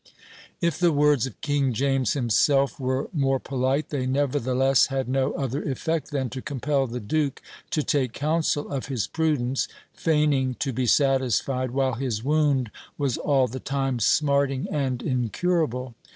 If the words of King James himself were more polite, they nevertheless had no other effect than to compel the Duke to take counsel of his prudence, feigning to be satisfied, while his wound was all the time smarting and incurable.